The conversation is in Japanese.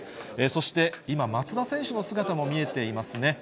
そして今、松田選手の姿も見えていますね。